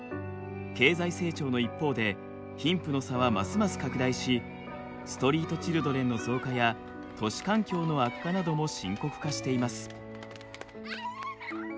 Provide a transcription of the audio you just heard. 経済成長の一方で貧富の差はますます拡大しストリートチルドレンの増加や都市環境の悪化なども深刻化しています。